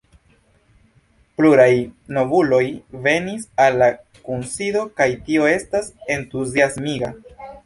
Pluraj novuloj venis al la kunsido, kaj tio estas entuziasmiga.